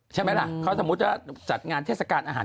ใช่ไหมล่ะเขาสมมุติว่าจัดงานเทศกาลอาหาร